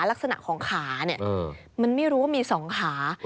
ลักษณะของขาเนี่ยมันไม่รู้ว่ามี๒ขา